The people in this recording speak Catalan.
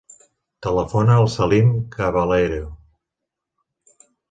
Telefona al Salim Cabaleiro.